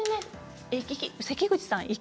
関口さん